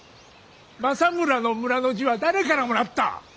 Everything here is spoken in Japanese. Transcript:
政村の「村」の字は誰からもらった。